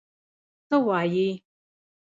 څه وايي.